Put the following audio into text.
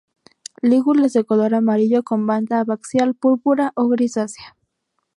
Lígulas de color amarillo con banda abaxial púrpura o grisácea.